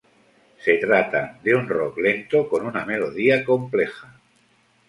Se trata de un rock lento con una melodía compleja.